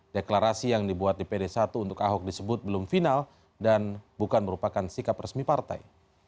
deklarasi yang dibuat dpd satu untuk ahok disebut belum final dan bukan merupakan sikap resmi partai